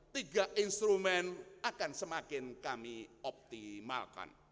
tiga instrumen akan semakin kami optimalkan